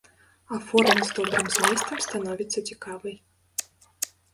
А форма з добрым зместам становіцца цікавай.